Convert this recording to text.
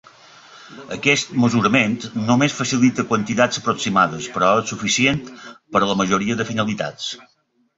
Aquest mesurament només facilita quantitats aproximades, però és suficient per a la majoria de finalitats.